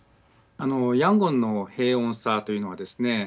あの、ヤンゴンの平穏さというのはですね